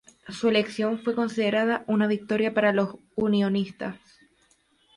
Su elección fue considerada una victoria por los unionistas.